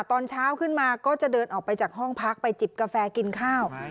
ตอนเช้าขึ้นมาก็จะเดินออกไปจากห้องพักไปจิบกาแฟกินข้าว